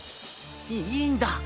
いいんだ。